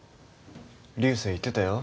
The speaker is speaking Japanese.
流星言ってたよ。